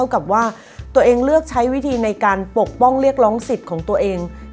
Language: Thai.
กับว่าตัวเองเลือกใช้วิธีในการปกป้องเรียกร้องสิทธิ์ของตัวเอง